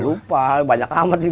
lupa banyak amat